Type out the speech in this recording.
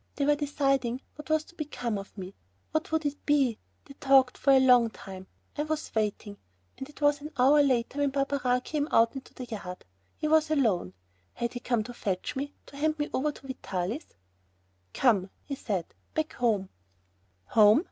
They were deciding what was to become of me. What would it be? They talked for a long time. I sat waiting, and it was an hour later when Barberin came out into the yard. He was alone. Had he come to fetch me to hand me over to Vitalis? "Come," he said, "back home." Home!